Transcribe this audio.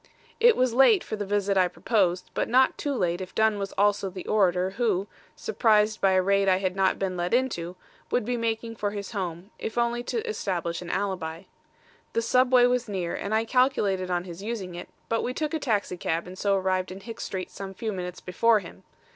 "It was late for the visit I proposed, but not too late, if Dunn was also the orator who, surprised by a raid I had not been let into, would be making for his home, if only to establish an alibi. The subway was near, and I calculated on his using it, but we took a taxicab and so arrived in Hicks Street some few minutes before him.